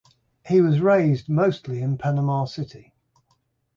He was raised mostly in Panama City.